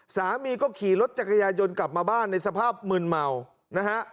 สามีก็ขี่รถจักรยายนต์กลับมาบ้านในสภาพมืนเมานะฮะ